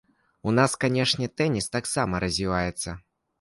У нас, канешне, тэніс таксама развіваецца.